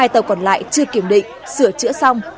hai tàu còn lại chưa kiểm định sửa chữa xong